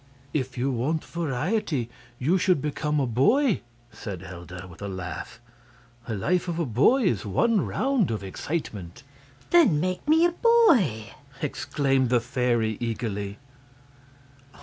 "If you want variety, you should become a boy," said Helda, with a laugh, "The life of a boy is one round of excitement." "Then make me a boy!" exclaimed the fairy eagerly.